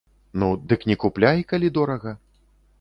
Ну, дык не купляй, калі дорага.